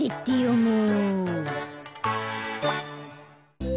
もう！